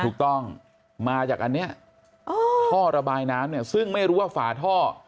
ถูกต้องมาจากอันนี้ท่อระบายน้ำเนี่ยซึ่งไม่รู้ว่าฝาท่อ